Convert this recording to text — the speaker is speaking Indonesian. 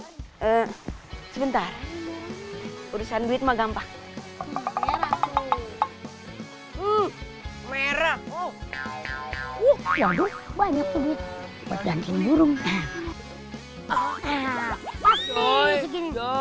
sebentar urusan duit magampah merah merah oh waduh banyak lebih bergantung burung oh